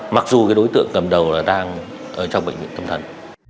mặc dù cái đối tượng cầm đầu là đang ở trong bệnh viện tâm thần